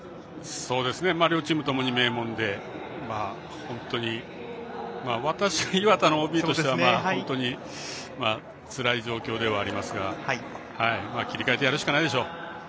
両チームともに名門で本当に、私は磐田のＯＢとしては本当につらい状況ではありますが切り替えてやるしかないでしょう。